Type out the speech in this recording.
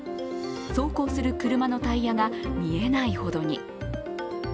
走行する車のタイヤが見えないほどに。